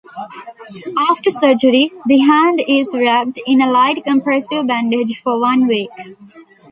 After surgery, the hand is wrapped in a light compressive bandage for one week.